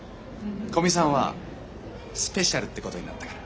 古見さんはスペシャルってことになったから。